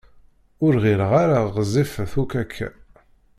Ur ɣileɣ ara ɣezzifet akk akka.